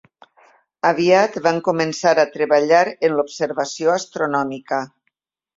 Aviat van començar a treballar en l'observació astronòmica.